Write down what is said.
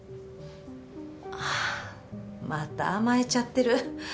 あっまた甘えちゃってる。